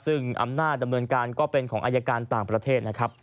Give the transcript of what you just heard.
ซึ่งอำนาจดำเนินการก็เป็นของอายการต่างประเทศนะครับ